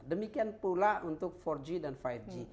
demikian pula untuk empat g dan lima g